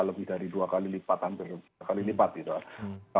lebih dari dua kali lipatan dua kali lipat gitu